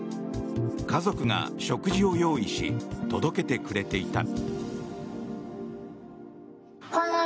家族が食事を用意し届けてくれていた。